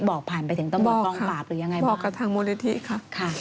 บอกผ่านไปถึงต้นบทกองฝาบหรือยังไงบ้างบอกค่ะบอกกับทางมูลยธีค่ะ